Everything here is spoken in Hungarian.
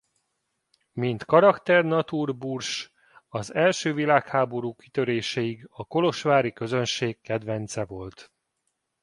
Mint karakter-naturburs az első világháború kitöréséig a kolozsvári közönség kedvence volt.